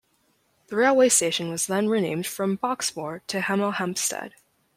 The railway station was then renamed from Boxmoor to Hemel Hempstead.